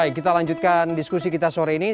baik kita lanjutkan diskusi kita sore ini